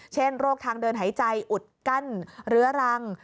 เช่นโรคทางเดินหายใจอุดกั้นเรื้อรัง